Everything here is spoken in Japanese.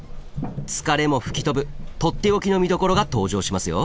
疲れも吹き飛ぶとっておきの見どころが登場しますよ。